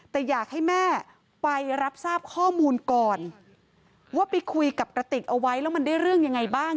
แต่อยากให้แม่ไปรับทราบข้อมูลก่อนว่าไปคุยกับกระติกเอาไว้แล้วมันได้เรื่องยังไงบ้าง